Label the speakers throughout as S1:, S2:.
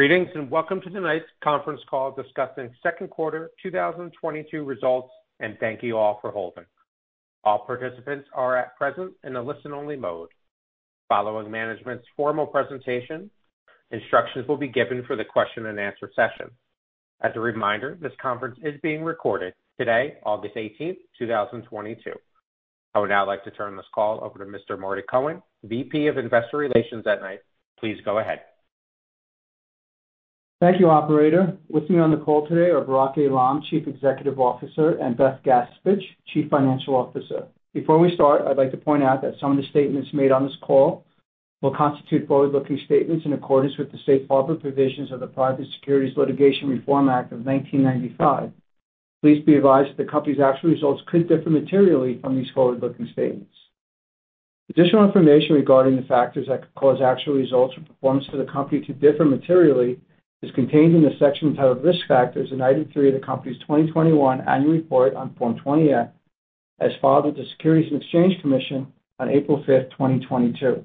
S1: Greetings, and welcome to tonight's conference call discussing second quarter 2022 results, and thank you all for holding. All participants are at present in a listen-only mode. Following management's formal presentation, instructions will be given for the question-and-answer session. As a reminder, this conference is being recorded today, August 18, 2022. I would now like to turn this call over to Mr. Marty Cohen, VP of Investor Relations at NICE. Please go ahead.
S2: Thank you, operator. With me on the call today are Barak Eilam, Chief Executive Officer, and Beth Gaspich, Chief Financial Officer. Before we start, I'd like to point out that some of the statements made on this call will constitute forward-looking statements in accordance with the safe harbor provisions of the Private Securities Litigation Reform Act of 1995. Please be advised that the company's actual results could differ materially from these forward-looking statements. Additional information regarding the factors that could cause actual results or performance to the company to differ materially is contained in the section titled Risk Factors in Item three of the company's 2021 annual report on Form 20-F, as filed with the Securities and Exchange Commission on April 5th, 2022.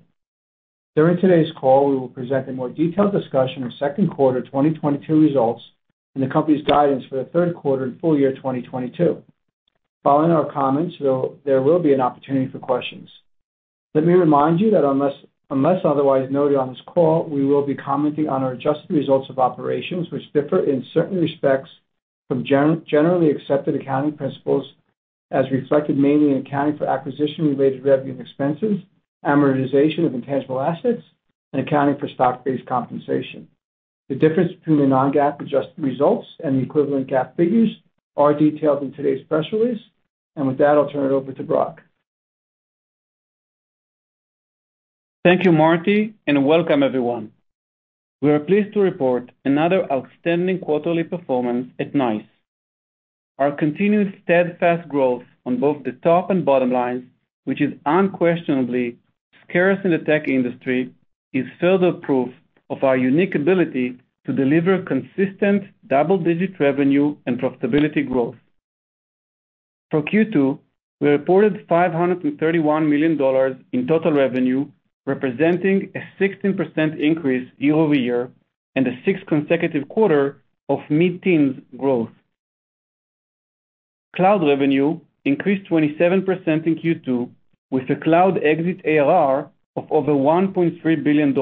S2: During today's call, we will present a more detailed discussion of second quarter 2022 results and the company's guidance for the third quarter and full year 2022. Following our comments, there will be an opportunity for questions. Let me remind you that unless otherwise noted on this call, we will be commenting on our adjusted results of operations, which differ in certain respects from generally accepted accounting principles as reflected mainly in accounting for acquisition-related revenue and expenses, amortization of intangible assets, and accounting for stock-based compensation. The difference between the non-GAAP adjusted results and the equivalent GAAP figures are detailed in today's press release, and with that, I'll turn it over to Barak.
S3: Thank you, Marty, and welcome everyone. We are pleased to report another outstanding quarterly performance at NICE. Our continuous steadfast growth on both the top and bottom line, which is unquestionably scarce in the tech industry, is further proof of our unique ability to deliver consistent double-digit revenue and profitability growth. For Q2, we reported $531 million in total revenue, representing a 16% increase year-over-year and a sixth consecutive quarter of mid-teens growth. Cloud revenue increased 27% in Q2 with a cloud exit ARR of over $1.3 billion.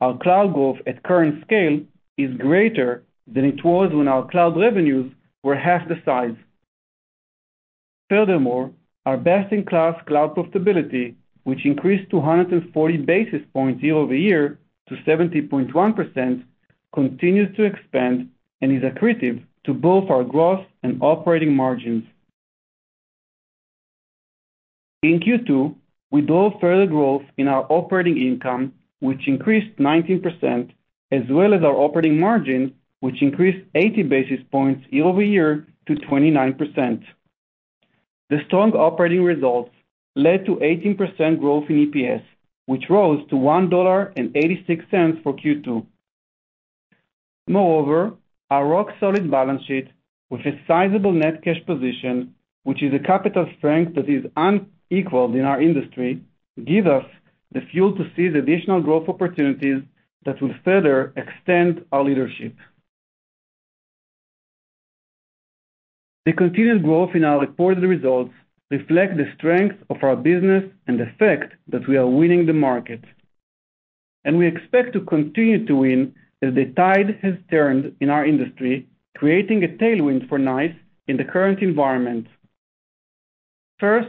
S3: Our cloud growth at current scale is greater than it was when our cloud revenues were half the size. Furthermore, our best-in-class cloud profitability, which increased 240 basis points year-over-year to 70.1% continues to expand and is accretive to both our growth and operating margins. In Q2, we drove further growth in our operating income, which increased 19%, as well as our operating margin, which increased 80 basis points year-over-year to 29%. The strong operating results led to 18% growth in EPS, which rose to $1.86 for Q2. Moreover, our rock-solid balance sheet with a sizable net cash position, which is a capital strength that is unequaled in our industry, give us the fuel to seize additional growth opportunities that will further extend our leadership. The continued growth in our reported results reflect the strength of our business and the fact that we are winning the market. We expect to continue to win as the tide has turned in our industry, creating a tailwind for NICE in the current environment. First,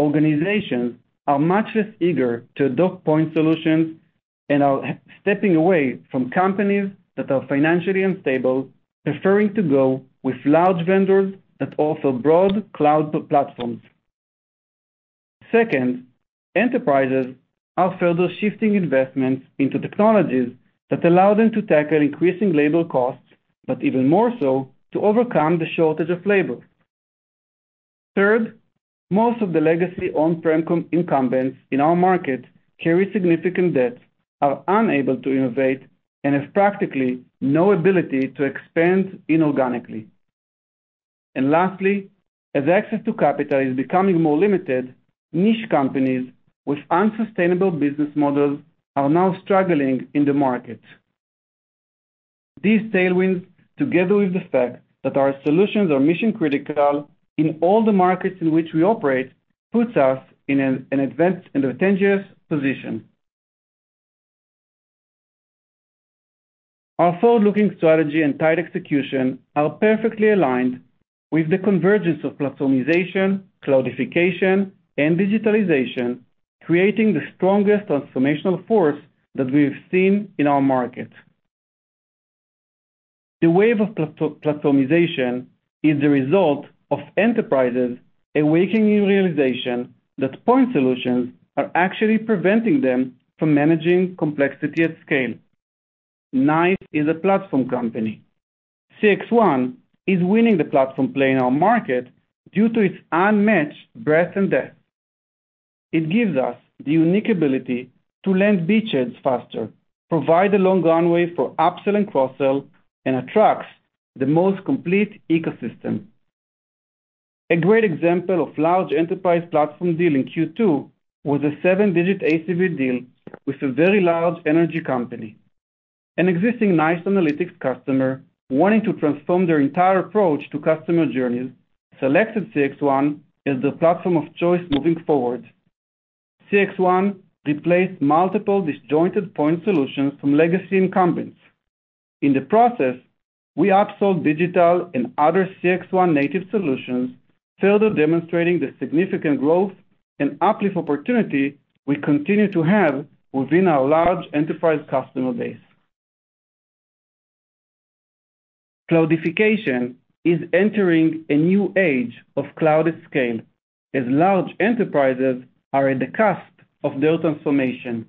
S3: organizations are much less eager to adopt point solutions and are stepping away from companies that are financially unstable, preferring to go with large vendors that offer broad cloud platforms. Second, enterprises are further shifting investments into technologies that allow them to tackle increasing labor costs, but even more so to overcome the shortage of labor. Third, most of the legacy on-prem incumbents in our market carry significant debt, are unable to innovate, and have practically no ability to expand inorganically. Lastly, as access to capital is becoming more limited, niche companies with unsustainable business models are now struggling in the market. These tailwinds, together with the fact that our solutions are mission-critical in all the markets in which we operate, puts us in an advantageous position. Our forward-looking strategy and tight execution are perfectly aligned with the convergence of platformization, cloudification, and digitalization, creating the strongest transformational force that we have seen in our market. The wave of platformization is the result of enterprises awakening in realization that point solutions are actually preventing them from managing complexity at scale. NICE is a platform company. CXone is winning the platform play in our market due to its unmatched breadth and depth. It gives us the unique ability to land beachheads faster, provide a long runway for upsell and cross-sell, and attracts the most complete ecosystem. A great example of large enterprise platform deal in Q2 was a seven-digit ACV deal with a very large energy company. An existing NICE Analytics customer wanting to transform their entire approach to customer journeys, selected CXone as their platform of choice moving forward. CXone replaced multiple disjointed point solutions from legacy incumbents. In the process, we upsold digital and other CXone native solutions, further demonstrating the significant growth and uplift opportunity we continue to have within our large enterprise customer base. Cloudification is entering a new age of cloud at scale, as large enterprises are at the cusp of their transformation.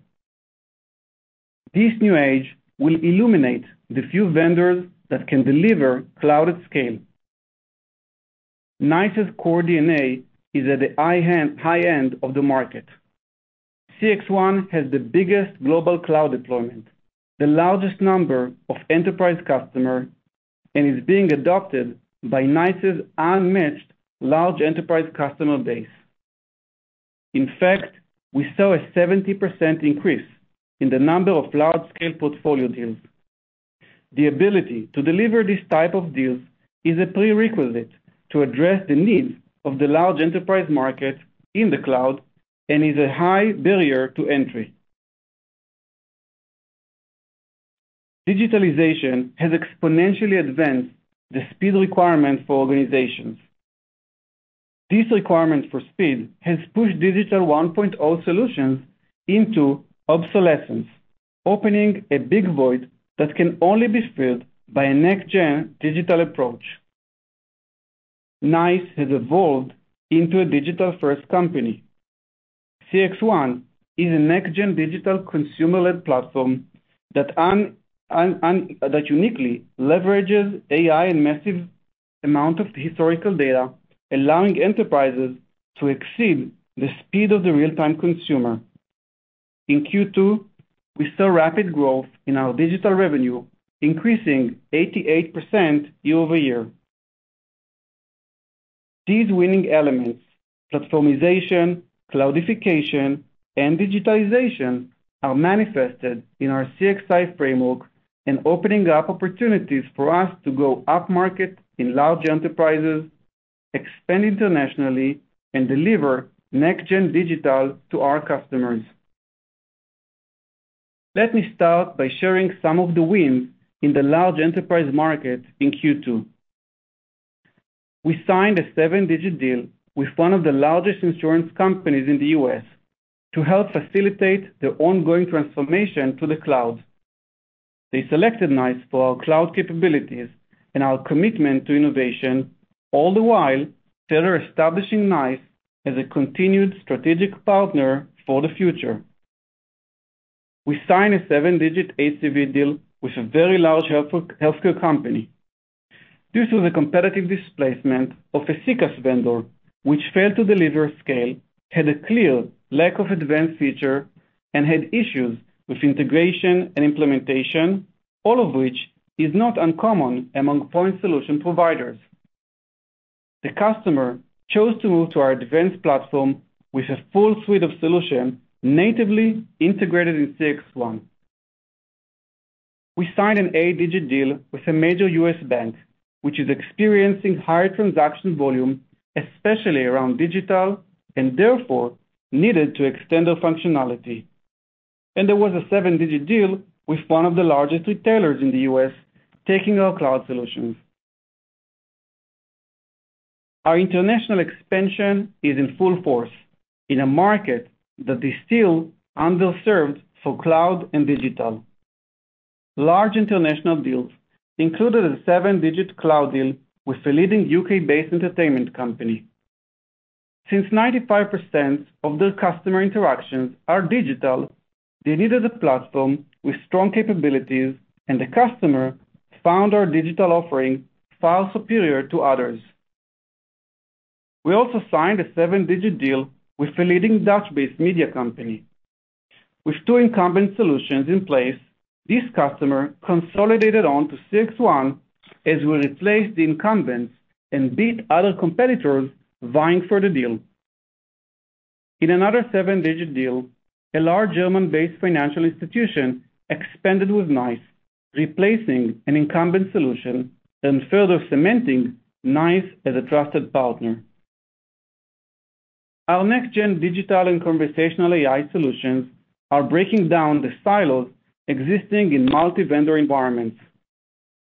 S3: This new age will illuminate the few vendors that can deliver cloud at scale. NICE's core DNA is at the high end of the market. CXone has the biggest global cloud deployment, the largest number of enterprise customer, and is being adopted by NICE's unmatched large enterprise customer base. In fact, we saw a 70% increase in the number of large-scale portfolio deals. The ability to deliver this type of deals is a prerequisite to address the needs of the large enterprise market in the cloud and is a high barrier to entry. Digitalization has exponentially advanced the speed requirement for organizations. This requirement for speed has pushed digital 1.0 solutions into obsolescence, opening a big void that can only be filled by a next-gen digital approach. NICE has evolved into a digital-first company. CXone is a next-gen digital consumer-led platform that uniquely leverages AI and massive amount of historical data, allowing enterprises to exceed the speed of the real-time consumer. In Q2, we saw rapid growth in our digital revenue, increasing 88% year-over-year. These winning elements, platformization, cloudification, and digitalization, are manifested in our CXi framework and opening up opportunities for us to go upmarket in large enterprises, expand internationally, and deliver next-gen digital to our customers. Let me start by sharing some of the wins in the large enterprise market in Q2. We signed a seven-digit deal with one of the largest insurance companies in the U.S. to help facilitate their ongoing transformation to the cloud. They selected NICE for our cloud capabilities and our commitment to innovation, all the while further establishing NICE as a continued strategic partner for the future. We signed a seven-digit ACV deal with a very large healthcare company. This was a competitive displacement of a CCaaS vendor, which failed to deliver scale, had a clear lack of advanced feature, and had issues with integration and implementation, all of which is not uncommon among point solution providers. The customer chose to move to our advanced platform with a full suite of solution natively integrated in CXone. We signed an eight-digit deal with a major U.S. bank, which is experiencing higher transaction volume, especially around digital, and therefore needed to extend their functionality. There was a seven digit deal with one of the largest retailers in the U.S., taking our cloud solutions. Our international expansion is in full force in a market that is still underserved for cloud and digital. Large international deals included a seven-digit cloud deal with a leading U.K.-based entertainment company. Since 95% of their customer interactions are digital, they needed a platform with strong capabilities, and the customer found our digital offering far superior to others. We also signed a seven-digit deal with a leading Dutch-based media company. With two incumbent solutions in place, this customer consolidated on to CXone as we replaced the incumbents and beat other competitors vying for the deal. In another seven-digit deal, a large German-based financial institution expanded with NICE, replacing an incumbent solution and further cementing NICE as a trusted partner. Our next-gen digital and conversational AI solutions are breaking down the silos existing in multi-vendor environments.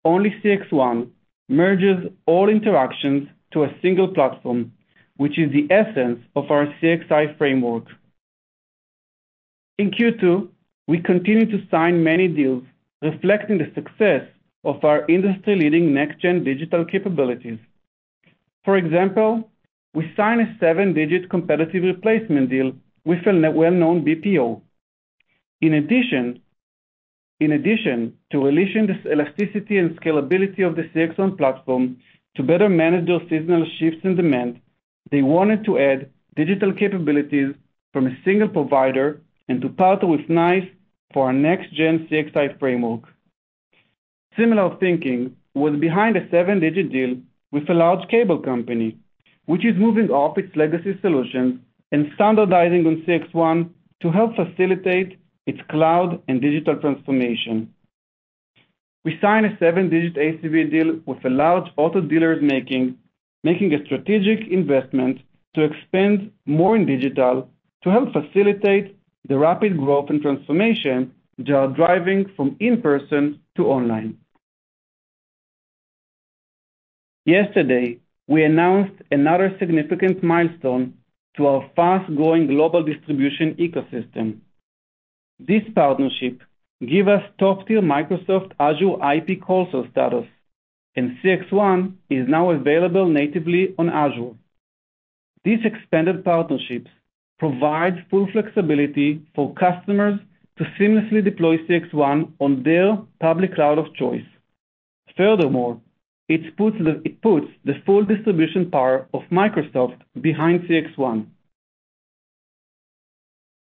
S3: Only CXone merges all interactions to a single platform, which is the essence of our CXi framework. In Q2, we continued to sign many deals reflecting the success of our industry-leading next-gen digital capabilities. For example, we signed a seven-digit competitive replacement deal with a well-known BPO. In addition to releasing this elasticity and scalability of the CXone platform to better manage their seasonal shifts in demand, they wanted to add digital capabilities from a single provider and to partner with NICE for our next gen CXi framework. Similar thinking was behind a seven-digit deal with a large cable company, which is moving off its legacy solutions and standardizing on CXone to help facilitate its cloud and digital transformation. We signed a seven-digit ACV deal with a large auto dealer making a strategic investment to expand more in digital to help facilitate the rapid growth and transformation they are driving from in-person to online. Yesterday, we announced another significant milestone to our fast-growing global distribution ecosystem. This partnership give us top-tier Microsoft Azure IP call center status, and CXone is now available natively on Azure. These expanded partnerships provide full flexibility for customers to seamlessly deploy CXone on their public cloud of choice. Furthermore, it puts the full distribution power of Microsoft behind CXone.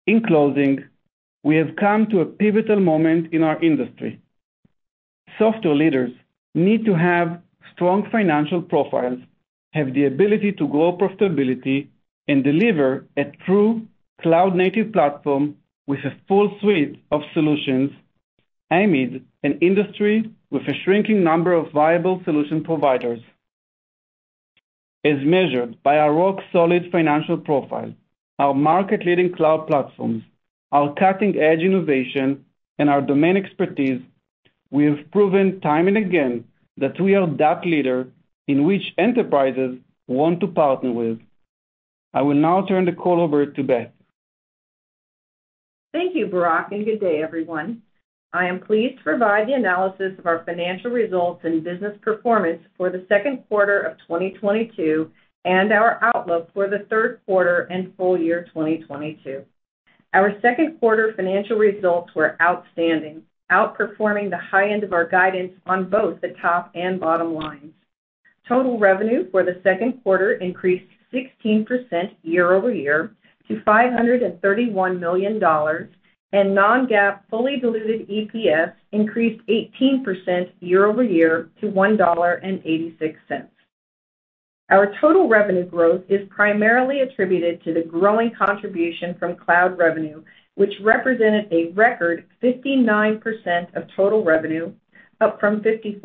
S3: In closing, we have come to a pivotal moment in our industry. Software leaders need to have strong financial profiles, have the ability to grow profitability, and deliver a true cloud-native platform with a full suite of solutions aimed in industry with a shrinking number of viable solution providers. As measured by our rock-solid financial profile, our market-leading cloud platforms, our cutting-edge innovation, and our domain expertise, we have proven time and again that we are that leader in which enterprises want to partner with. I will now turn the call over to Beth Gaspich.
S4: Thank you, Barak Eilam, and good day everyone. I am pleased to provide the analysis of our financial results and business performance for the second quarter of 2022 and our outlook for the third quarter and full year 2022. Our second quarter financial results were outstanding, outperforming the high end of our guidance on both the top and bottom line. Total revenue for the second quarter increased 16% year-over-year to $531 million, and non-GAAP fully diluted EPS increased 18% year-over-year to $1.86. Our total revenue growth is primarily attributed to the growing contribution from cloud revenue, which represented a record 59% of total revenue, up from 54%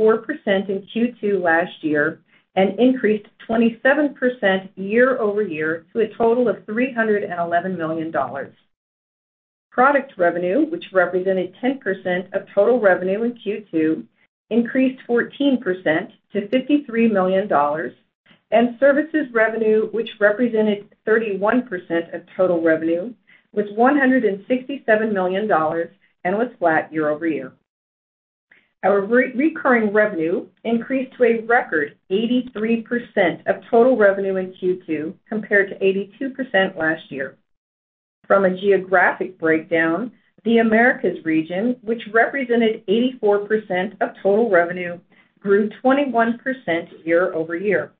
S4: in Q2 last year and increased 27% year-over-year to a total of $311 million. Product revenue, which represented 10% of total revenue in Q2, increased 14% to $53 million, and services revenue, which represented 31% of total revenue, was $167 million and was flat year-over-year. Our recurring revenue increased to a record 83% of total revenue in Q2 compared to 82% last year. From a geographic breakdown, the Americas region, which represented 84% of total revenue, grew 21% year-over-year.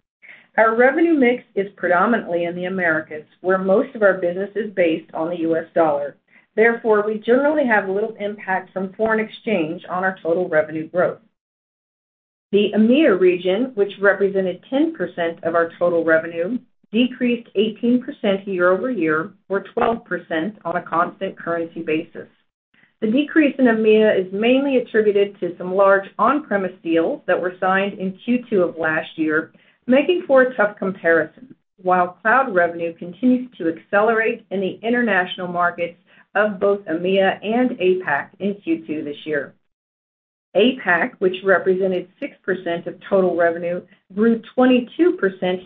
S4: Our revenue mix is predominantly in the Americas, where most of our business is based on the U.S. dollar. Therefore, we generally have little impact from foreign exchange on our total revenue growth. The EMEA region, which represented 10% of our total revenue, decreased 18% year-over-year, or 12% on a constant currency basis. The decrease in EMEA is mainly attributed to some large on-premise deals that were signed in Q2 of last year, making for a tough comparison, while cloud revenue continues to accelerate in the international markets of both EMEA and APAC in Q2 this year. APAC, which represented 6% of total revenue, grew 22%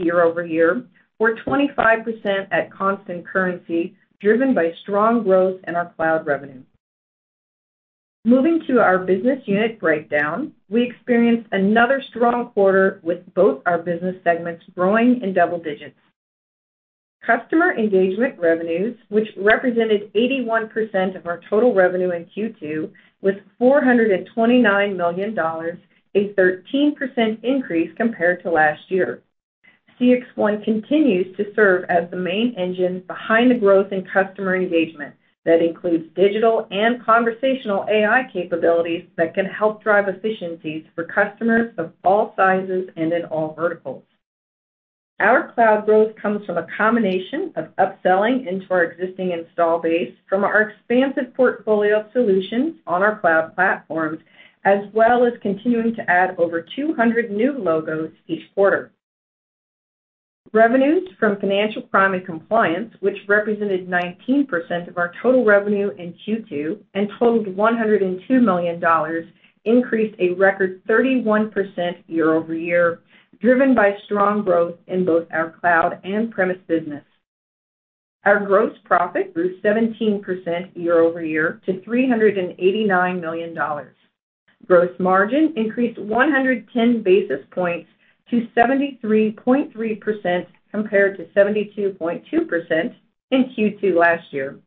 S4: year-over-year, or 25% at constant currency, driven by strong growth in our cloud revenue. Moving to our business unit breakdown, we experienced another strong quarter with both our business segments growing in double digits. Customer engagement revenues, which represented 81% of our total revenue in Q2, was $429 million, a 13% increase compared to last year. CXone continues to serve as the main engine behind the growth in customer engagement. That includes digital and conversational AI capabilities that can help drive efficiencies for customers of all sizes and in all verticals. Our cloud growth comes from a combination of upselling into our existing install base from our expansive portfolio of solutions on our cloud platforms, as well as continuing to add over 200 new logos each quarter. Revenues from financial crime and compliance, which represented 19% of our total revenue in Q2 and totaled $102 million, increased a record 31% year-over-year, driven by strong growth in both our cloud and premise business. Our gross profit grew 17% year-over-year to $389 million. Gross margin increased 110 basis points to 73.3% compared to 72.2% in Q2 last year.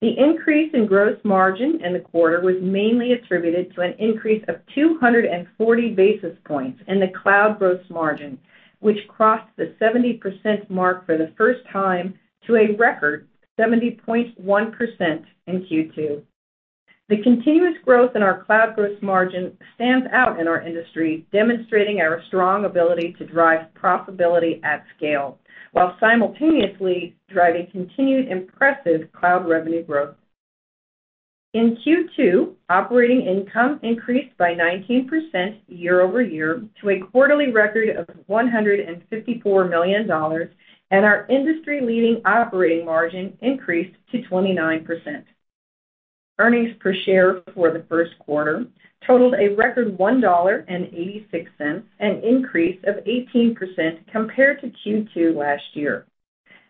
S4: The increase in gross margin in the quarter was mainly attributed to an increase of 240 basis points in the cloud gross margin, which crossed the 70% mark for the first time to a record 70.1% in Q2. The continuous growth in our cloud gross margin stands out in our industry, demonstrating our strong ability to drive profitability at scale while simultaneously driving continued impressive cloud revenue growth. In Q2, operating income increased by 19% year-over-year to a quarterly record of $154 million, and our industry-leading operating margin increased to 29%. Earnings per share for the first quarter totaled a record $1.86, an increase of 18% compared to Q2 last year.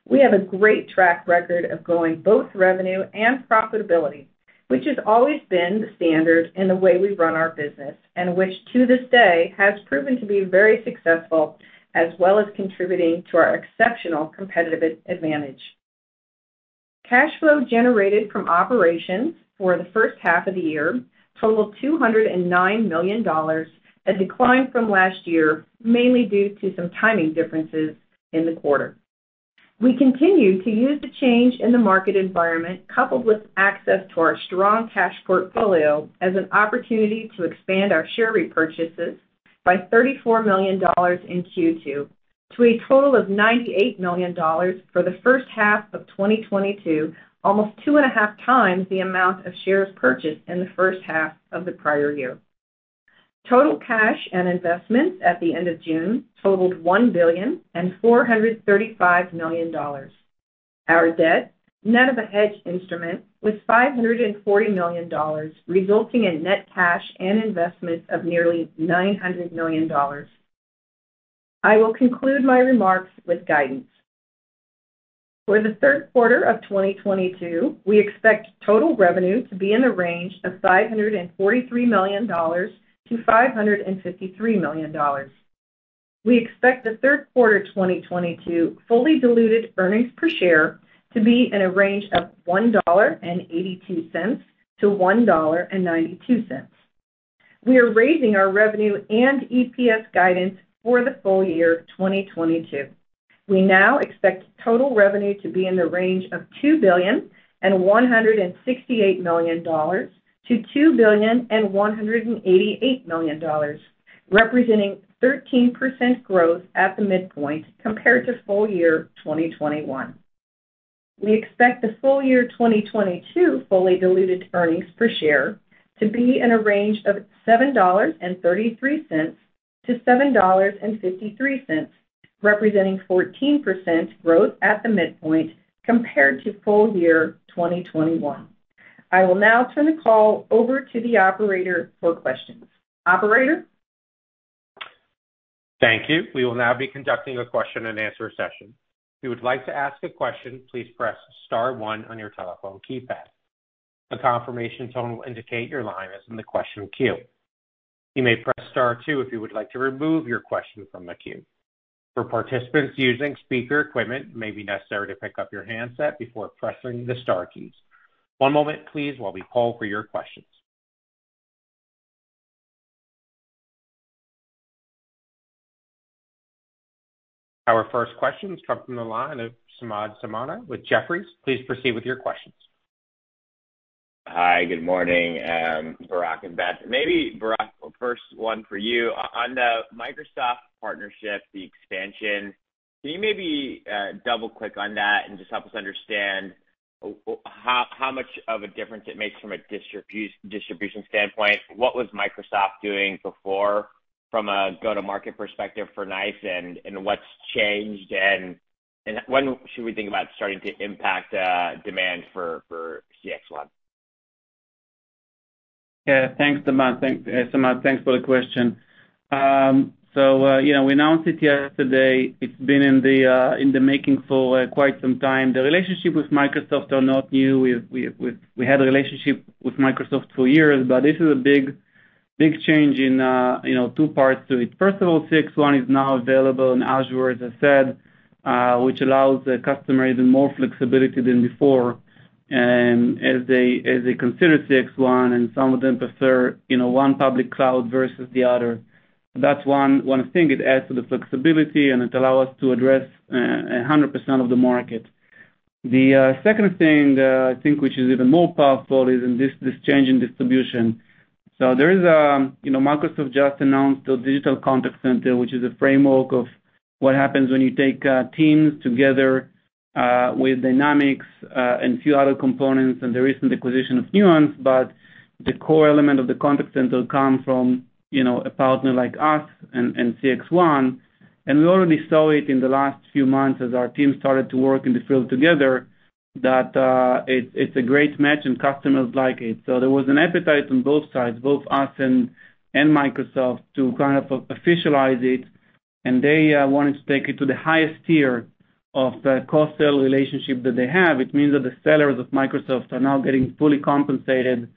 S4: We have a great track record of growing both revenue and profitability, which has always been the standard in the way we run our business and which to this day has proven to be very successful as well as contributing to our exceptional competitive advantage. Cash flow generated from operations for the first half of the year totaled $209 million, a decline from last year, mainly due to some timing differences in the quarter. We continue to use the change in the market environment, coupled with access to our strong cash portfolio, as an opportunity to expand our share repurchases by $34 million in Q2, to a total of $98 million for the first half of 2022, almost 2.5x the amount of shares purchased in the first half of the prior year. Total cash and investments at the end of June totaled $1.435 billion. Our debt, net of a hedge instrument, was $540 million, resulting in net cash and investments of nearly $900 million. I will conclude my remarks with guidance. For the third quarter of 2022, we expect total revenue to be in the range of $543 million-$553 million. We expect the third quarter 2022 fully diluted earnings per share to be in a range of $1.82-$1.92. We are raising our revenue and EPS guidance for the full year of 2022. We now expect total revenue to be in the range of $2.168 billion-$2.188 billion, representing 13% growth at the midpoint compared to full year 2021. We expect the full year 2022 fully diluted earnings per share to be in a range of $7.33-$7.53, representing 14% growth at the midpoint compared to full year 2021. I will now turn the call over to the operator for questions. Operator?
S1: Thank you. We will now be conducting a question and answer session. If you would like to ask a question, please press star one on your telephone keypad. A confirmation tone will indicate your line is in the question queue. You may press star two if you would like to remove your question from the queue. For participants using speaker equipment, it may be necessary to pick up your handset before pressing the star keys. One moment, please, while we call for your questions. Our first question comes from the line of Samad Samana with Jefferies. Please proceed with your questions.
S5: Hi, good morning, Barak and Beth. Maybe Barak, first one for you. On the Microsoft partnership, the expansion, can you maybe double-click on that and just help us understand how much of a difference it makes from a distribution standpoint? What was Microsoft doing before from a go-to-market perspective for NICE and what's changed, and when should we think about starting to impact demand for CXone?
S3: Yeah. Thanks, Samad, for the question. You know, we announced it yesterday. It's been in the making for quite some time. The relationship with Microsoft is not new. We had a relationship with Microsoft for years. This is a big change in, you know, two parts to it. First of all, CXone is now available in Azure, as I said, which allows the customer even more flexibility than before, as they consider CXone, and some of them prefer, you know, one public cloud versus the other. That's one thing. It adds to the flexibility, and it allows us to address 100% of the market. The second thing, I think, which is even more powerful is in this change in distribution. There is, you know, Microsoft just announced the Digital Contact Center, which is a framework of what happens when you take teams together with Dynamics and a few other components, and the recent acquisition of Nuance. The core element of the contact center come from, you know, a partner like us and CXone. We already saw it in the last few months as our teams started to work in the field together, that it's a great match and customers like it. There was an appetite on both sides, both us and Microsoft, to kind of officialize it. They wanted to take it to the highest tier of the co-sell relationship that they have. It means that the sellers of Microsoft are now getting fully compensated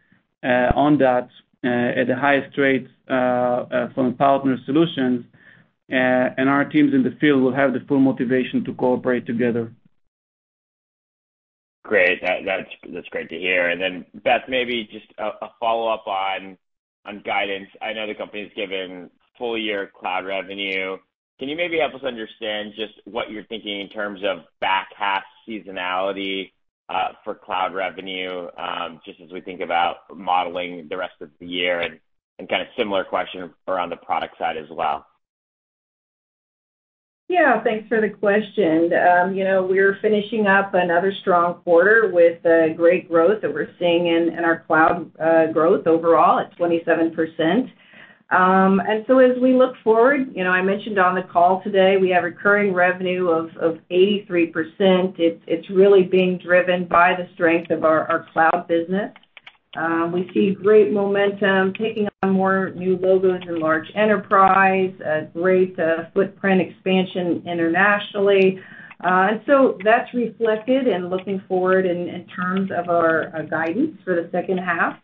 S3: on that at the highest rates from partner solutions, and our teams in the field will have the full motivation to cooperate together.
S5: That's great to hear. Beth, maybe just a follow-up on guidance. I know the company's given full year cloud revenue. Can you maybe help us understand just what you're thinking in terms of back half seasonality, for cloud revenue, just as we think about modeling the rest of the year and kinda similar question around the product side as well.
S4: Yeah, thanks for the question. You know, we're finishing up another strong quarter with the great growth that we're seeing in our cloud growth overall at 27%. As we look forward, you know, I mentioned on the call today, we have recurring revenue of 83%. It's really being driven by the strength of our cloud business. We see great momentum taking on more new logos and large enterprise, a great footprint expansion internationally. That's reflected in looking forward in terms of our guidance for the second half.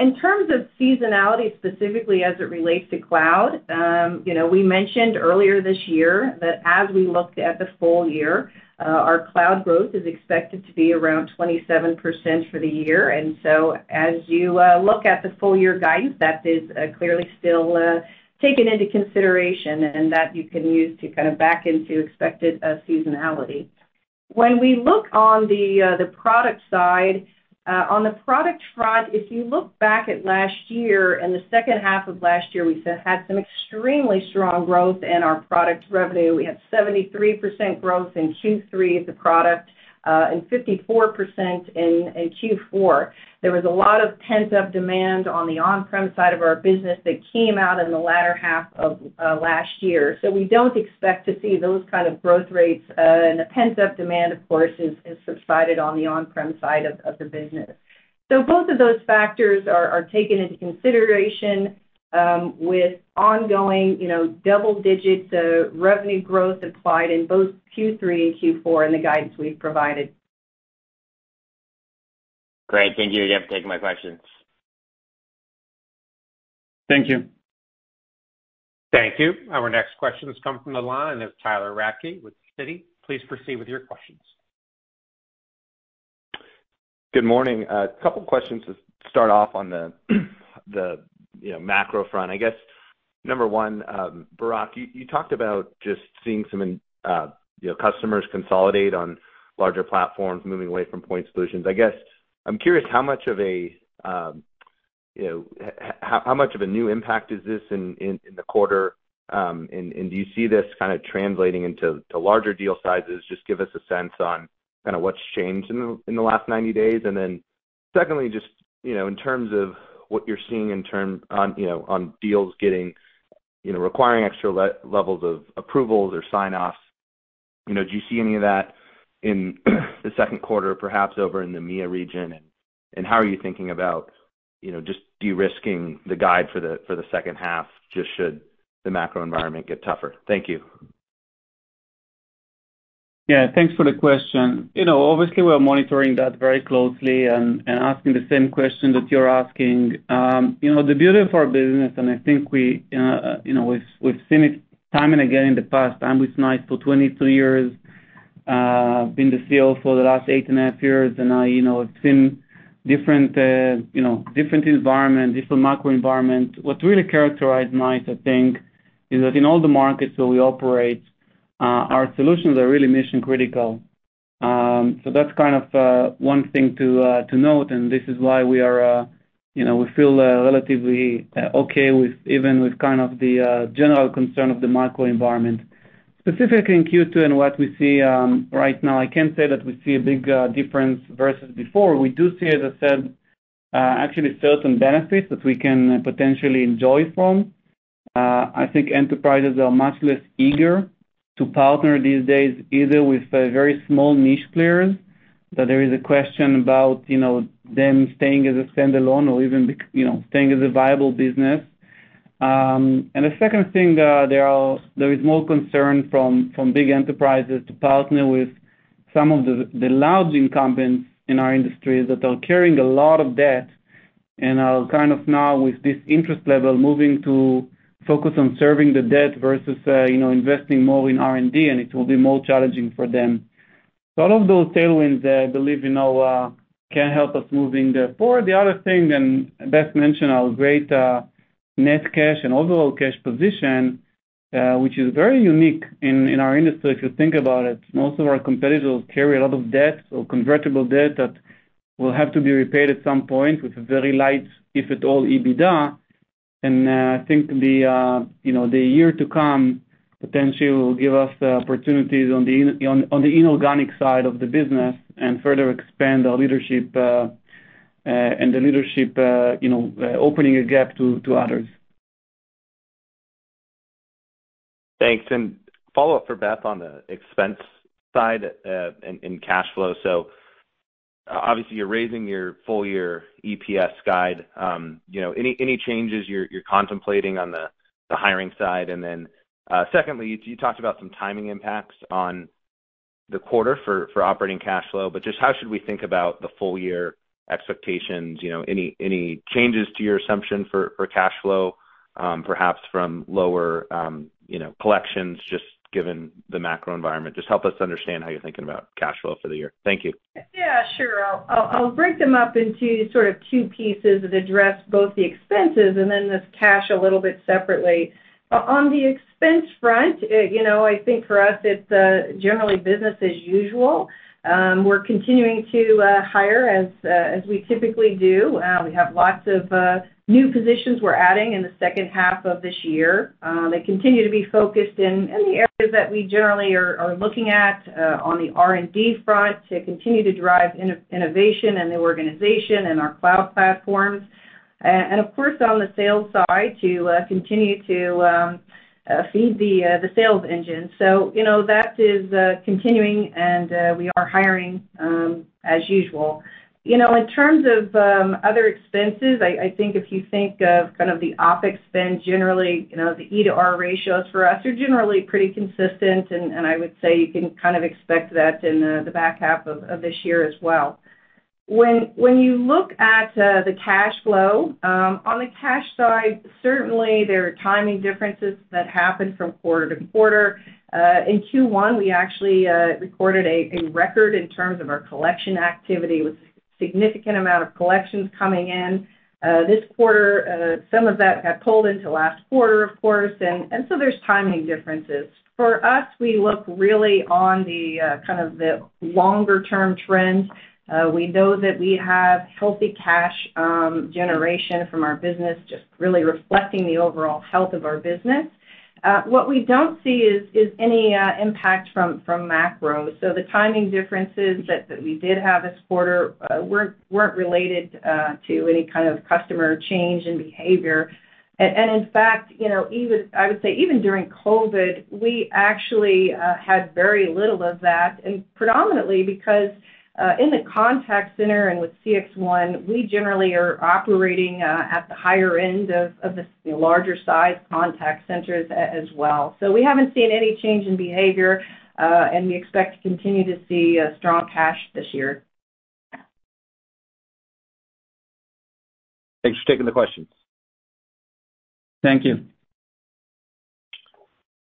S4: In terms of seasonality, specifically as it relates to cloud, you know, we mentioned earlier this year that as we looked at the full year, our cloud growth is expected to be around 27% for the year. As you look at the full year guidance, that is clearly still taken into consideration, and that you can use to kind of back into expected seasonality. When we look on the product side, on the product front, if you look back at last year and the second half of last year, we've had some extremely strong growth in our product revenue. We had 73% growth in Q3 of the product, and 54% in Q4. There was a lot of pent-up demand on the on-prem side of our business that came out in the latter half of last year. We don't expect to see those kind of growth rates, and the pent-up demand, of course, has subsided on the on-prem side of the business. Both of those factors are taken into consideration, with ongoing, you know, double-digit revenue growth applied in both Q3 and Q4 and the guidance we've provided.
S5: Great. Thank you again for taking my questions.
S3: Thank you.
S1: Thank you. Our next question comes from the line of Tyler Radke with Citi. Please proceed with your questions.
S6: Good morning. A couple of questions to start off on the you know, macro front. I guess, number one, Barak, you talked about just seeing some you know, customers consolidate on larger platforms moving away from point solutions. I guess I'm curious how much of a you know, how much of a new impact is this in the quarter? And do you see this kinda translating into larger deal sizes? Just give us a sense on kinda what's changed in the last 90 days. Then secondly, just you know, in terms of what you're seeing on you know, on deals getting you know, requiring extra levels of approvals or sign-offs, you know, do you see any of that in the second quarter, perhaps over in the EMEA region? How are you thinking about, you know, just de-risking the guide for the second half, just should the macro environment get tougher? Thank you.
S3: Yeah, thanks for the question. You know, obviously, we're monitoring that very closely and asking the same question that you're asking. You know, the beauty of our business, and I think we, you know, we've seen it time and again in the past. I'm with NICE for 23 years, been the CEO for the last 8.5 years, and I, you know, have seen different, you know, different environment, different macro environment. What really characterize NICE, I think, is that in all the markets that we operate, our solutions are really mission-critical. So that's kind of one thing to note, and this is why we are, you know, we feel, relatively okay with even with kind of the general concern of the macro environment. Specifically in Q2 and what we see right now, I can't say that we see a big difference versus before. We do see, as I said, actually certain benefits that we can potentially enjoy from. I think enterprises are much less eager to partner these days, either with very small niche players, that there is a question about, you know, them staying as a standalone or even you know, staying as a viable business. The second thing, there is more concern from big enterprises to partner with some of the large incumbents in our industry that are carrying a lot of debt and are kind of now with this interest level, moving to focus on serving the debt versus, you know, investing more in R&D, and it will be more challenging for them. All of those tailwinds, I believe, you know, can help us move forward. The other thing, Beth mentioned our great net cash and overall cash position, which is very unique in our industry, if you think about it. Most of our competitors carry a lot of debt or convertible debt that will have to be repaid at some point with a very light, if at all, EBITDA. I think the year to come potentially will give us the opportunities on the inorganic side of the business and further expand our leadership, opening a gap to others.
S6: Thanks. Follow up for Beth on the expense side, and cash flow. Obviously, you're raising your full year EPS guide. You know, any changes you're contemplating on the hiring side? Secondly, you talked about some timing impacts on the quarter for operating cash flow, but just how should we think about the full year expectations? You know, any changes to your assumption for cash flow? Perhaps from lower, you know, collections, just given the macro environment. Just help us understand how you're thinking about cash flow for the year. Thank you.
S4: Yeah, sure. I'll break them up into sort of two pieces and address both the expenses and then this cash a little bit separately. On the expense front, you know, I think for us, it's generally business as usual. We're continuing to hire as we typically do. We have lots of new positions we're adding in the second half of this year. They continue to be focused in the areas that we generally are looking at on the R&D front to continue to drive innovation in the organization and our cloud platforms. Of course, on the sales side to continue to feed the sales engine. You know, that is continuing, and we are hiring as usual. You know, in terms of other expenses, I think if you think of kind of the OpEx spend generally, you know, the expense-to-revenue ratios for us are generally pretty consistent, and I would say you can kind of expect that in the back half of this year as well. When you look at the cash flow, on the cash side, certainly there are timing differences that happen from quarter to quarter. In Q1, we actually recorded a record in terms of our collection activity with significant amount of collections coming in. This quarter, some of that got pulled into last quarter, of course, and so there's timing differences. For us, we look really on the kind of the longer term trends. We know that we have healthy cash generation from our business just really reflecting the overall health of our business. What we don't see is any impact from macro. The timing differences that we did have this quarter weren't related to any kind of customer change in behavior. In fact, you know, even during COVID, we actually had very little of that, and predominantly because in the contact center and with CXone, we generally are operating at the higher end of the larger size contact centers as well. We haven't seen any change in behavior, and we expect to continue to see strong cash this year.
S6: Thanks for taking the questions.
S3: Thank you.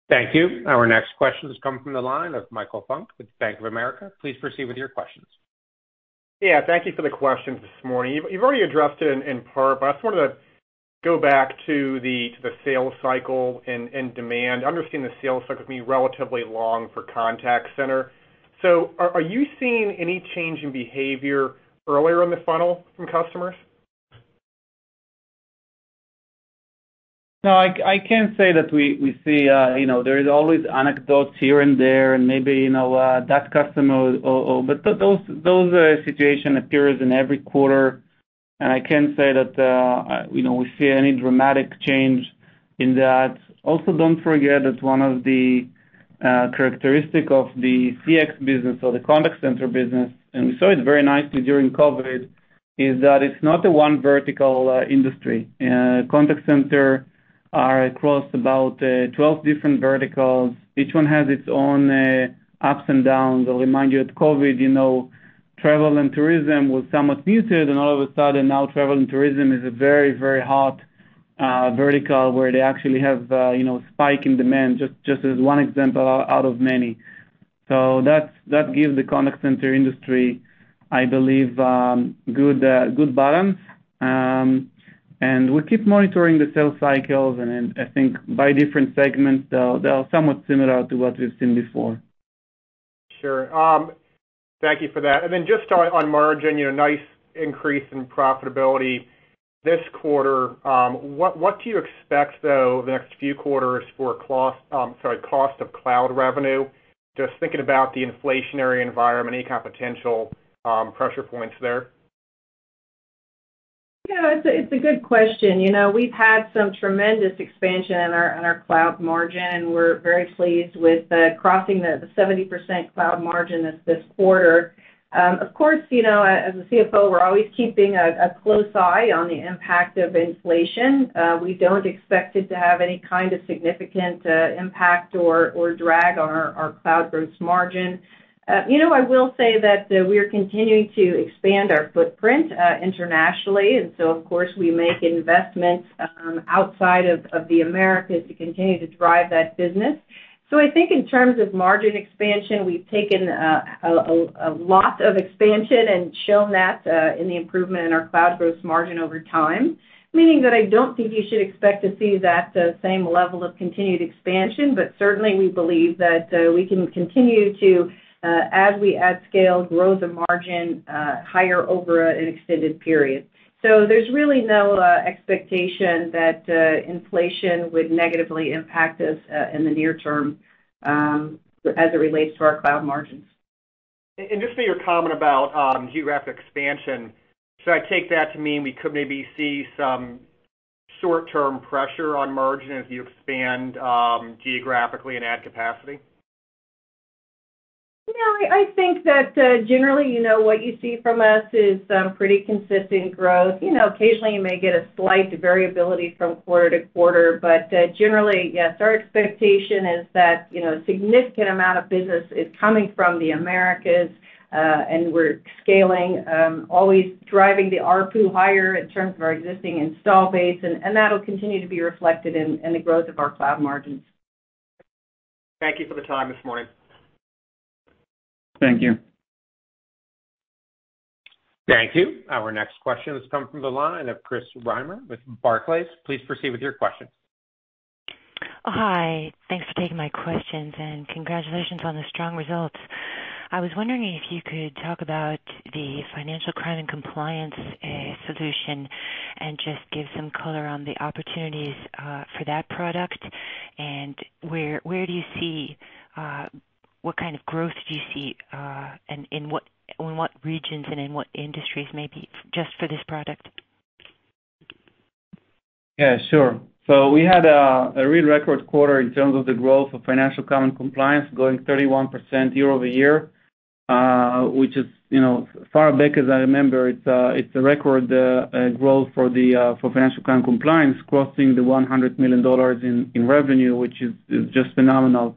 S1: Thank you. Our next question has come from the line of Michael Funk with Bank of America. Please proceed with your questions.
S7: Yeah, thank you for the questions this morning. You've already addressed it in part, but I just wanted to go back to the sales cycle and demand. I understand the sales cycle can be relatively long for contact center. So are you seeing any change in behavior earlier in the funnel from customers?
S3: No, I can say that we see, you know, there is always anecdotes here and there and maybe, you know, that customer. Those situation appears in every quarter. I can say that, you know, we see any dramatic change in that. Also, don't forget that one of the characteristic of the CX business or the contact center business, and we saw it very nicely during COVID, is that it's not a one vertical industry. Contact center are across about 12 different verticals. Each one has its own ups and downs. I'll remind you with COVID, you know, travel and tourism was somewhat muted, and all of a sudden now travel and tourism is a very, very hot vertical where they actually have, you know, spike in demand, just as one example out of many. That gives the contact center industry, I believe, good balance. We keep monitoring the sales cycles and, I think by different segments, they are somewhat similar to what we've seen before.
S7: Sure. Thank you for that. Just on margin, you know, nice increase in profitability this quarter. What do you expect, though, the next few quarters for cost, sorry, cost of cloud revenue? Just thinking about the inflationary environment, any kind of potential pressure points there.
S4: Yeah, it's a good question. You know, we've had some tremendous expansion in our cloud margin. We're very pleased with crossing the 70% cloud margin this quarter. Of course, you know, as a CFO, we're always keeping a close eye on the impact of inflation. We don't expect it to have any kind of significant impact or drag on our cloud gross margin. You know, I will say that we're continuing to expand our footprint internationally, and so, of course, we make investments outside of the Americas to continue to drive that business. I think in terms of margin expansion, we've taken a lot of expansion and shown that in the improvement in our cloud gross margin over time, meaning that I don't think you should expect to see that same level of continued expansion. Certainly, we believe that we can continue to as we add scale, grow the margin higher over an extended period. There's really no expectation that inflation would negatively impact us in the near term as it relates to our cloud margins.
S7: Just to your comment about geographic expansion, should I take that to mean we could maybe see some short-term pressure on margin as you expand geographically and add capacity?
S4: You know, I think that, generally, you know, what you see from us is, pretty consistent growth. You know, occasionally you may get a slight variability from quarter to quarter, but, generally, yes, our expectation is that, you know, a significant amount of business is coming from the Americas, and we're scaling, always driving the ARPU higher in terms of our existing install base, and that'll continue to be reflected in, the growth of our cloud margins.
S7: Thank you for the time this morning.
S3: Thank you.
S1: Thank you. Our next question has come from the line of Chris Reimer with Barclays. Please proceed with your question.
S8: Oh, hi. Thanks for taking my questions, and congratulations on the strong results. I was wondering if you could talk about the financial crime and compliance solution and just give some color on the opportunities for that product. Where do you see, what kind of growth do you see, and in what regions and in what industries, maybe just for this product?
S3: Yeah, sure. We had a real record quarter in terms of the growth of financial crime and compliance growing 31% year-over-year. Which is, you know, as far back as I remember, it's a record growth for the financial crime and compliance crossing the $100 million in revenue, which is just phenomenal.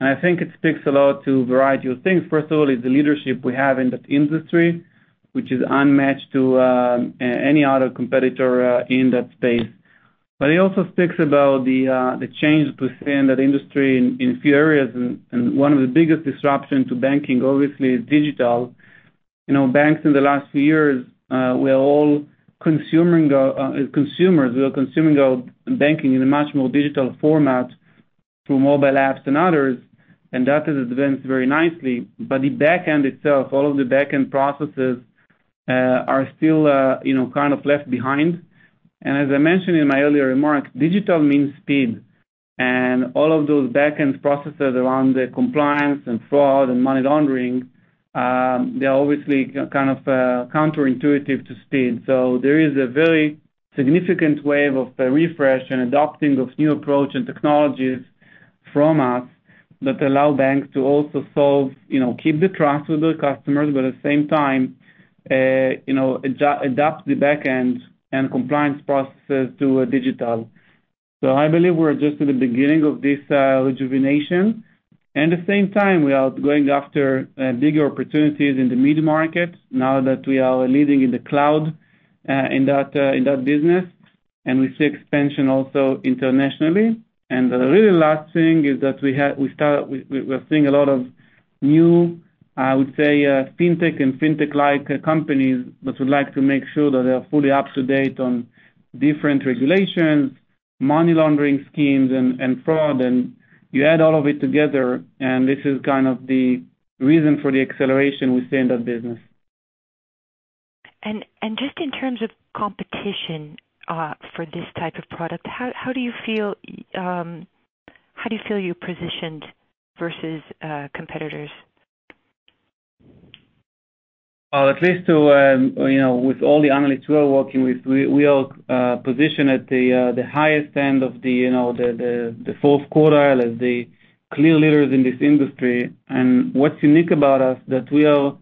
S3: I think it speaks a lot to a variety of things. First of all, is the leadership we have in that industry, which is unmatched by any other competitor in that space. It also speaks about the change we see in that industry in a few areas. One of the biggest disruption to banking obviously is digital. You know, banks in the last few years, we are all consumers, we are consuming our banking in a much more digital format through mobile apps and others, and that has advanced very nicely. The back end itself, all of the back-end processes, are still, you know, kind of left behind. As I mentioned in my earlier remarks, digital means speed. All of those back-end processes around the compliance and fraud and money laundering, they are obviously kind of counterintuitive to speed. There is a very significant wave of a refresh and adopting of new approach and technologies from us that allow banks to also solve, you know, keep the trust with their customers, but at the same time, you know, adopt the back end and compliance processes to digital. I believe we're just at the beginning of this rejuvenation. At the same time, we are going after bigger opportunities in the mid-market now that we are leading in the cloud, in that business, and we see expansion also internationally. The really last thing is that we are seeing a lot of new, I would say, fintech and fintech-like companies that would like to make sure that they are fully up to date on different regulations, money laundering schemes and fraud. You add all of it together, and this is kind of the reason for the acceleration we see in that business.
S8: Just in terms of competition, for this type of product, how do you feel you're positioned versus competitors?
S3: At least, you know, with all the analysts we are working with, we are positioned at the highest end of the fourth quartile as the clear leaders in this industry. What's unique about us that we are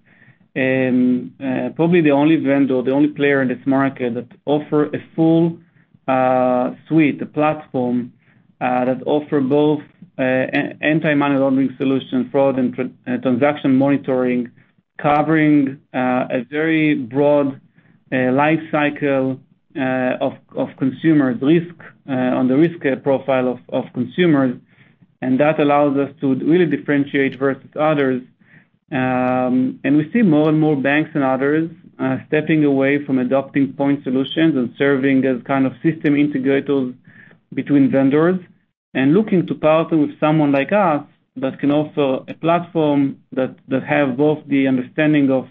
S3: probably the only vendor or the only player in this market that offer a full suite, a platform that offer both anti-money laundering solution, fraud and transaction monitoring, covering a very broad life cycle of consumers' risk on the risk profile of consumers. That allows us to really differentiate versus others. We see more and more banks and others stepping away from adopting point solutions and serving as kind of system integrators between vendors and looking to partner with someone like us that can offer a platform that have both the understanding of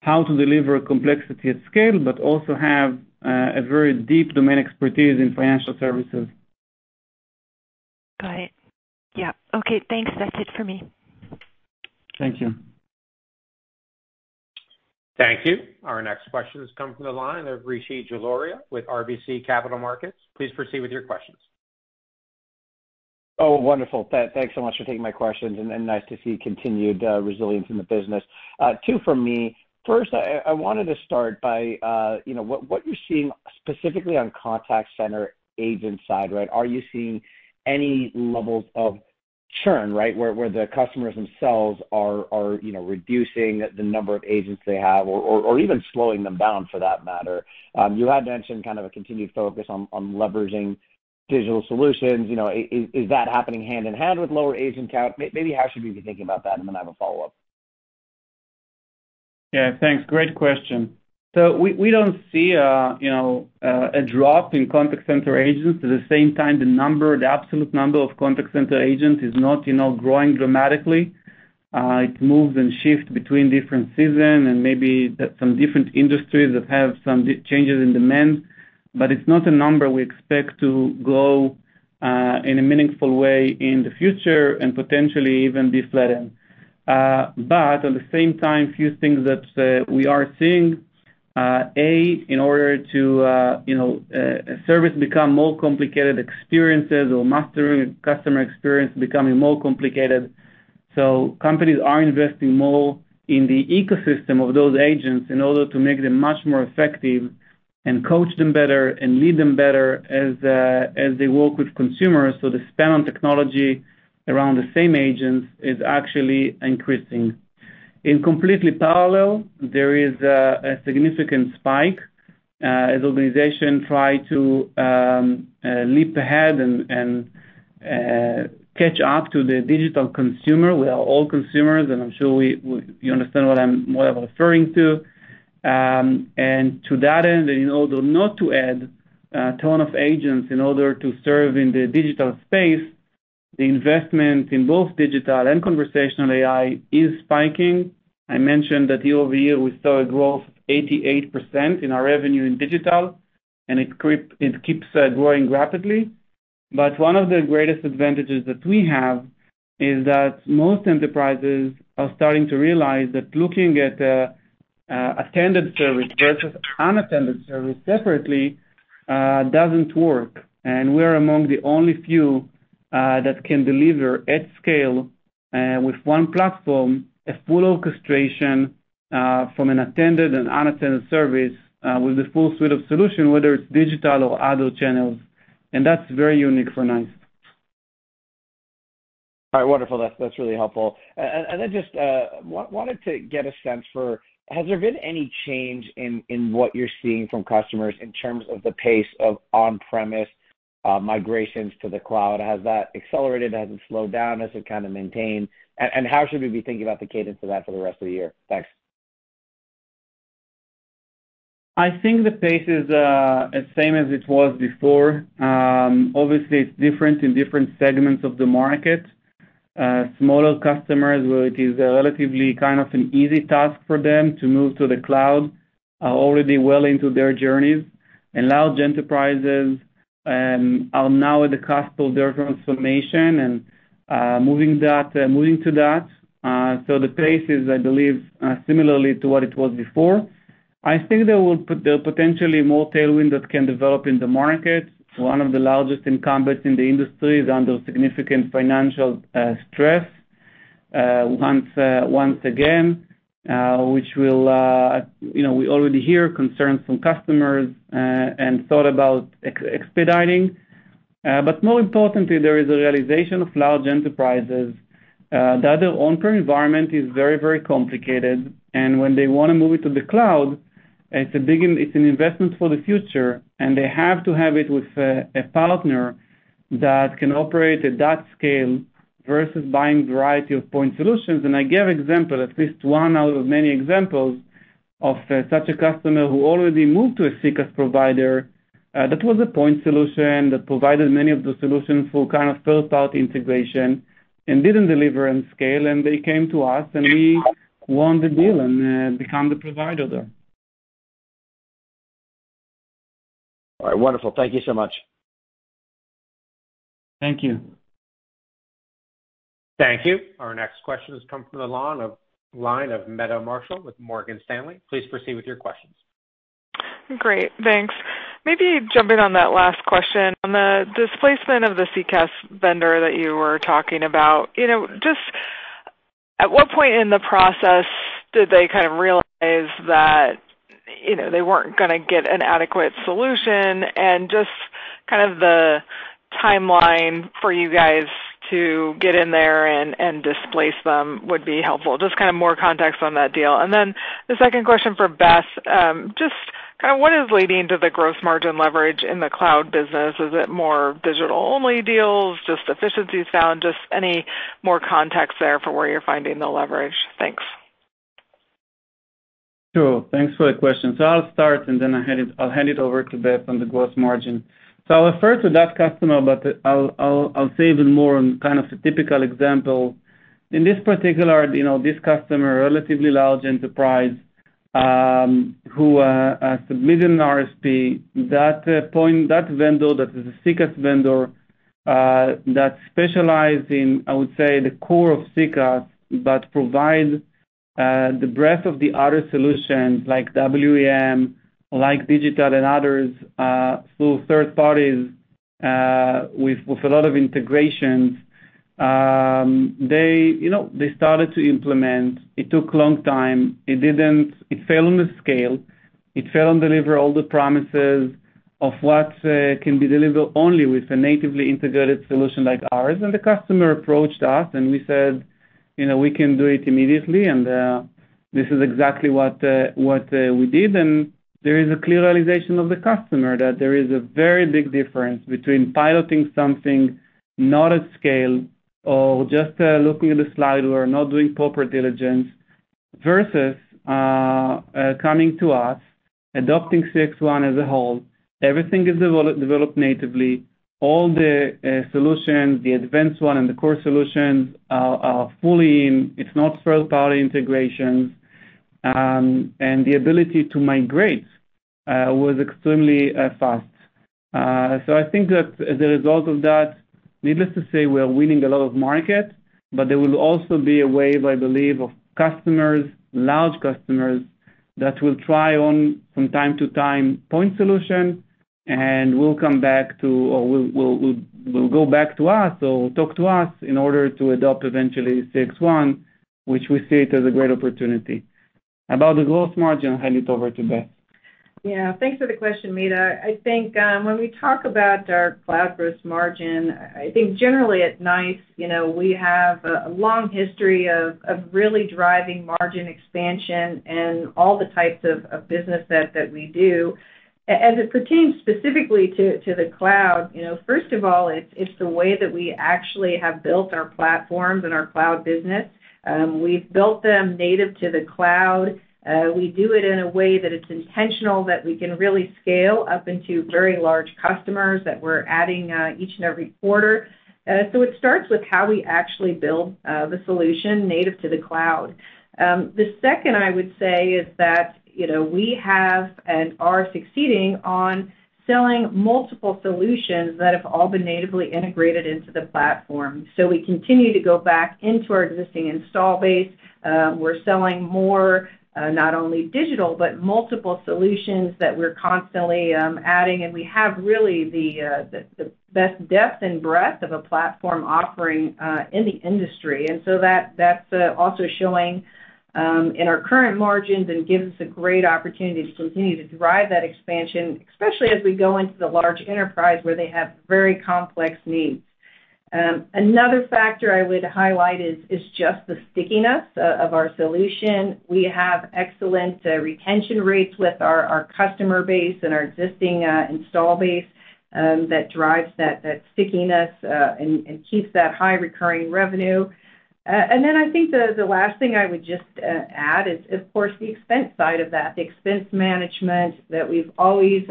S3: how to deliver complexity at scale, but also have a very deep domain expertise in financial services.
S8: Got it. Yeah. Okay, thanks. That's it for me.
S3: Thank you.
S1: Thank you. Our next question has come from the line of Rishi Jaluria with RBC Capital Markets. Please proceed with your questions.
S9: Oh, wonderful. Thanks so much for taking my questions and nice to see continued resilience in the business. Two for me. First, I wanted to start by, you know, what you're seeing specifically on contact center agent side, right? Are you seeing any levels of churn, right? Where the customers themselves are, you know, reducing the number of agents they have or even slowing them down for that matter. You had mentioned kind of a continued focus on leveraging digital solutions. You know, is that happening hand in hand with lower agent count? Maybe how should we be thinking about that? Then I have a follow-up.
S3: Yeah, thanks. Great question. We don't see you know, a drop in contact center agents. At the same time, the absolute number of contact center agents is not you know, growing dramatically. It moves and shifts between different seasons and maybe some different industries that have some changes in demand. It's not a number we expect to grow in a meaningful way in the future and potentially even be flattened. At the same time, few things that we are seeing in order to you know, service become more complicated experiences or mastering customer experience becoming more complicated. Companies are investing more in the ecosystem of those agents in order to make them much more effective and coach them better and lead them better as they work with consumers. The spend on technology around the same agents is actually increasing. In completely parallel, there is a significant spike, as organizations try to leap ahead and catch up to the digital consumer. We are all consumers, and I'm sure you understand what I'm referring to. To that end, in order not to add a ton of agents in order to serve in the digital space, the investment in both digital and conversational AI is spiking. I mentioned that year-over-year, we saw a growth 88% in our revenue in digital, and it keeps growing rapidly. One of the greatest advantages that we have is that most enterprises are starting to realize that looking at attended service versus unattended service separately doesn't work. We're among the only few that can deliver at scale, with one platform, a full orchestration, from an attended and unattended service, with a full suite of solution, whether it's digital or other channels. That's very unique for NICE.
S9: All right. Wonderful. That's really helpful. Just wanted to get a sense for has there been any change in what you're seeing from customers in terms of the pace of on-premise migrations to the cloud? Has that accelerated? Has it slowed down? Has it kind of maintained? How should we be thinking about the cadence of that for the rest of the year? Thanks.
S3: I think the pace is the same as it was before. Obviously it's different in different segments of the market. Smaller customers, where it is relatively kind of an easy task for them to move to the cloud, are already well into their journeys. Large enterprises are now at the cusp of their transformation and moving to that. The pace is, I believe, similar to what it was before. I think there are potentially more tailwinds that can develop in the market. One of the largest incumbents in the industry is under significant financial stress once again, which will, you know, we already hear concerns from customers and talked about expediting. More importantly, there is a realization of large enterprises that their on-prem environment is very, very complicated. When they wanna move it to the cloud, it's an investment for the future, and they have to have it with a partner that can operate at that scale versus buying variety of point solutions. I gave example, at least one out of many examples, of such a customer who already moved to a CCaaS provider that was a point solution that provided many of the solutions for kind of third-party integration and didn't deliver on scale. They came to us, and we won the deal and become the provider there.
S9: All right. Wonderful. Thank you so much.
S3: Thank you.
S1: Thank you. Our next question has come from the line of Meta Marshall with Morgan Stanley. Please proceed with your questions.
S10: Great. Thanks. Maybe jumping on that last question. On the displacement of the CCaaS vendor that you were talking about, you know, just at what point in the process did they kind of realize that, you know, they weren't gonna get an adequate solution and just kind of the timeline for you guys to get in there and displace them would be helpful. Just kind of more context on that deal. And then the second question for Beth, just kind of what is leading to the gross margin leverage in the cloud business? Is it more digital-only deals, just efficiency gains, just any more context there for where you're finding the leverage? Thanks.
S3: Sure. Thanks for the question. I'll start, and then I'll hand it over to Beth on the gross margin. I'll refer to that customer, but I'll say even more on kind of a typical example. In this particular, you know, this customer, a relatively large enterprise, who submitted an RFP, at that point, that vendor, that is a CCaaS vendor, that specialize in, I would say, the core of CCaaS but provide the breadth of the other solutions like WEM, like digital and others, through third parties, with a lot of integrations. They, you know, they started to implement. It took long time. It failed on the scale. It failed to deliver all the promises of what can be delivered only with a natively integrated solution like ours. The customer approached us, and we said, you know, we can do it immediately, and this is exactly what we did. There is a clear realization of the customer that there is a very big difference between piloting something not at scale or just looking at a slide or not doing proper diligence versus coming to us, adopting CXone as a whole. Everything is developed natively. All the solutions, the advanced one and the core solutions are fully in. It's not third-party integrations. The ability to migrate was extremely fast. I think that as a result of that, needless to say, we are winning a lot of market, but there will also be a wave, I believe, of customers, large customers, that will turn to from time to time point solution and will come back to or will go back to us or talk to us in order to adopt eventually CXone, which we see it as a great opportunity. About the gross margin, I'll hand it over to Beth.
S4: Yeah, thanks for the question, Meta. I think when we talk about our cloud gross margin, I think generally at NICE, you know, we have a long history of really driving margin expansion and all the types of business that we do. As it pertains specifically to the cloud, you know, first of all, it's the way that we actually have built our platforms and our cloud business. We've built them native to the cloud. We do it in a way that it's intentional that we can really scale up into very large customers that we're adding each and every quarter. It starts with how we actually build the solution native to the cloud. The second I would say is that, you know, we have and are succeeding on selling multiple solutions that have all been natively integrated into the platform. We continue to go back into our existing install base. We're selling more, not only digital, but multiple solutions that we're constantly adding, and we have really the best depth and breadth of a platform offering in the industry. That's also showing in our current margins and gives us a great opportunity to continue to drive that expansion, especially as we go into the large enterprise where they have very complex needs. Another factor I would highlight is just the stickiness of our solution. We have excellent retention rates with our customer base and our existing installed base that drives that stickiness and keeps that high recurring revenue. I think the last thing I would just add is of course the expense side of that, the expense management that we've always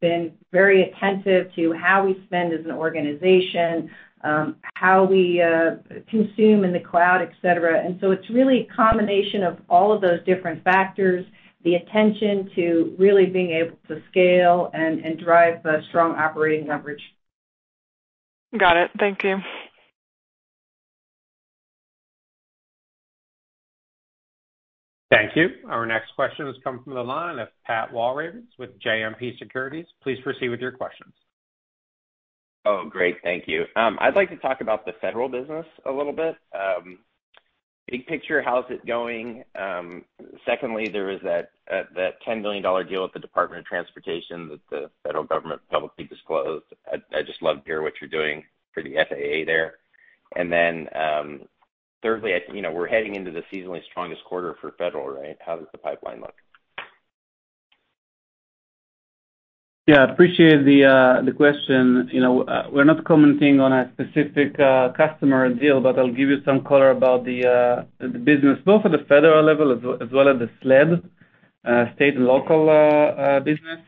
S4: been very attentive to how we spend as an organization, how we consume in the cloud, et cetera. It's really a combination of all of those different factors, the attention to really being able to scale and drive a strong operating leverage.
S10: Got it. Thank you.
S1: Thank you. Our next question has come from the line of Pat Walravens with JMP Securities. Please proceed with your questions.
S11: Oh, great. Thank you. I'd like to talk about the federal business a little bit. Big picture, how's it going? Secondly, there is that $10 billion deal with the Department of Transportation that the federal government publicly disclosed. I'd just love to hear what you're doing for the FAA there. Thirdly, I think, you know, we're heading into the seasonally strongest quarter for federal, right? How does the pipeline look?
S3: Yeah, I appreciate the question. You know, we're not commenting on a specific customer deal, but I'll give you some color about the business, both at the federal level as well as the SLED state and local business.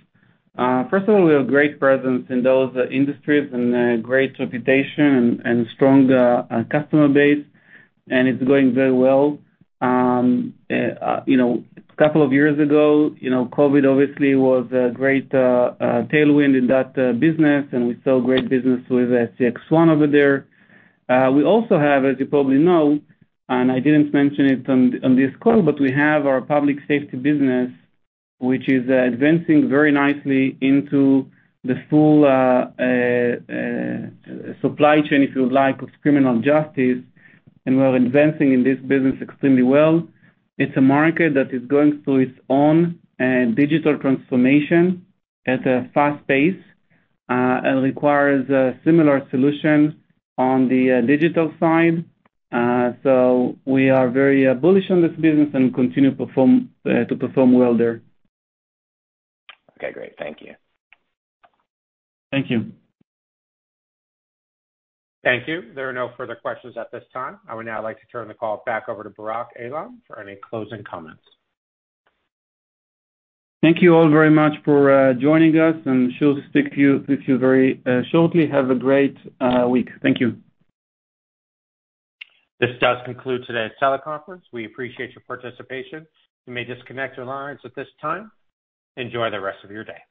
S3: First of all, we have great presence in those industries and great reputation and strong customer base, and it's going very well. You know, a couple of years ago, you know, COVID obviously was a great tailwind in that business, and we saw great business with CXone over there. We also have, as you probably know, and I didn't mention it on this call, but we have our public safety business, which is advancing very nicely into the full supply chain, if you like, of criminal justice. We're advancing in this business extremely well. It's a market that is going through its own digital transformation at a fast pace, and requires a similar solution on the digital side. We are very bullish on this business and continue to perform well there.
S11: Okay, great. Thank you.
S3: Thank you.
S1: Thank you. There are no further questions at this time. I would now like to turn the call back over to Barak Eilam for any closing comments.
S3: Thank you all very much for joining us, and we'll speak with you very shortly. Have a great week. Thank you.
S1: This does conclude today's teleconference. We appreciate your participation. You may disconnect your lines at this time. Enjoy the rest of your day.